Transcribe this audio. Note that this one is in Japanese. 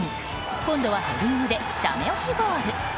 今度はヘディングでダメ押しゴール。